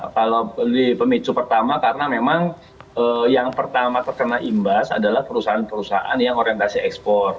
kalau pemicu pertama karena memang yang pertama terkena imbas adalah perusahaan perusahaan yang orientasi ekspor